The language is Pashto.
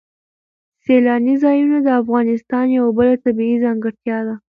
سیلاني ځایونه د افغانستان یوه بله طبیعي ځانګړتیا ده.